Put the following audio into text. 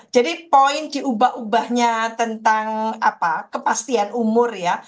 jadi poin diubah ubahnya tentang kepastian umur ya